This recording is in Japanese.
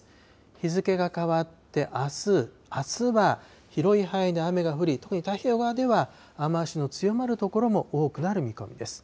日付が変わってあす、あすは広い範囲で雨が降り、特に太平洋側では雨足の強まる所も多くなる見込みです。